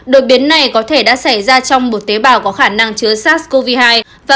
đột biến này có thể đã xảy ra trong một tế bào có khả năng chứa sars cov hai và